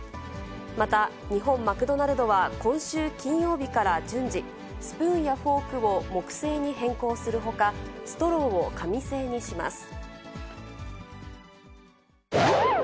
また、日本マクドナルドは今週金曜日から順次、スプーンやフォークを木製に変更するほか、ストローを紙製にします。